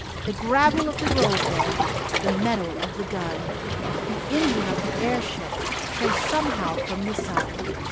The gravel of the roadbed, The metal of the gun, The engine of the airship Trace somehow from the sun.